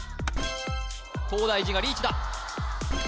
東大寺がリーチだ